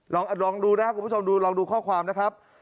ลองดูนะครับคุณผู้ชมดูลองดูข้อความนะครับ